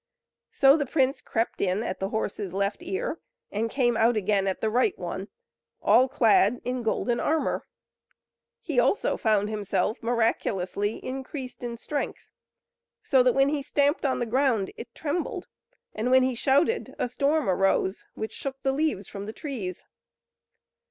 So the prince crept in at the horse's left ear, and came out again at the right one, all clad in golden armour. He also found himself miraculously increased in strength, so that when he stamped on the ground it trembled; and when he shouted a storm arose, which shook the leaves from the trees.